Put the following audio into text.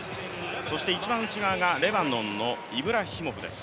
そして一番内側がレバノンのイブラヒモフです。